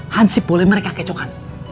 hansip boleh mereka kecokan